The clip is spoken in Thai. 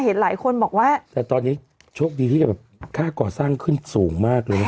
หลายคนบอกว่าแต่ตอนนี้โชคดีที่จะแบบค่าก่อสร้างขึ้นสูงมากเลยนะ